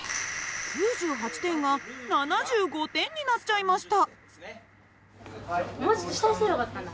９８点が７５点になっちゃいました。